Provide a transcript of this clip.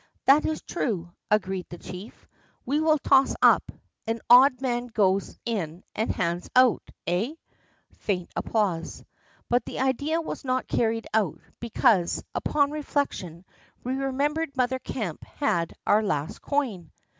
"That is true," agreed the chief. "We will toss up, and 'odd man' goes in and hands out eh?" Faint applause. But the idea was not carried out, because, upon reflection, we remembered Mother Kemp had our last coin.